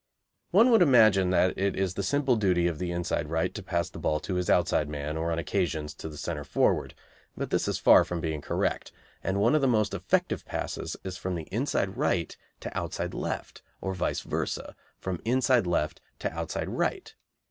] One would imagine that it is the simple duty of the inside right to pass the ball to his outside man or on occasions to the centre forward, but this is far from being correct, and one of the most effective passes is from inside right to outside left or vice versa, from inside left to outside right.